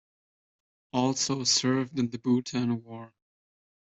Also served in the Bhutan War.